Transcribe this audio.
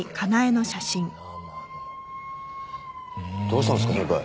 どうしたんですか？